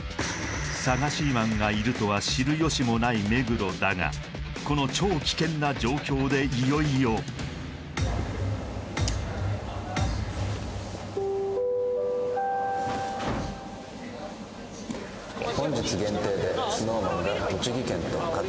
サガシマンがいるとは知る由もない目黒だがこの超危険な状況でいよいよえっ！？